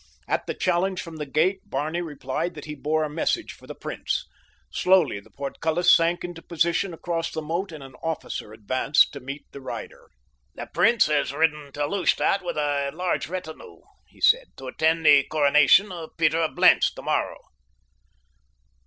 At the challenge from the gate Barney replied that he bore a message for the prince. Slowly the portcullis sank into position across the moat and an officer advanced to meet the rider. "The prince has ridden to Lustadt with a large retinue," he said, "to attend the coronation of Peter of Blentz tomorrow."